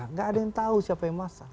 tidak ada yang tahu siapa yang masang